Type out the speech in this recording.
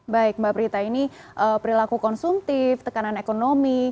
baik mbak prita ini perilaku konsumtif tekanan ekonomi